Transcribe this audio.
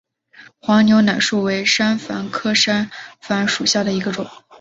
黄牛奶树为山矾科山矾属下的一个种。